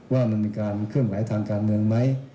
ว่ามันมีการเคลื่อนไหวทางการเมืองไหม